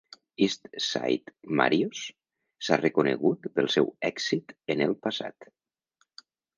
East Side Mario's s'ha reconegut pel seu èxit en el passat.